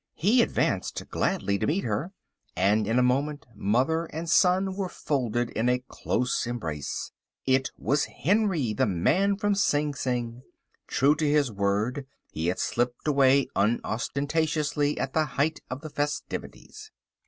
He advanced gladly to meet her, and in a moment mother and son were folded in a close embrace. It was Henry, the man from Sing Sing. True to his word, he had slipped away unostentatiously at the height of the festivities.